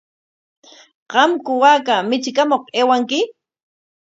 ¿Qamku waaka michikamuq aywanki?